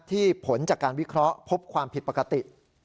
ผลจากการวิเคราะห์พบความผิดปกติ